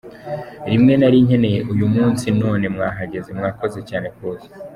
Nimwe nari nkeneye uyu munsi none mwahageze, mwakoze cyane kuza.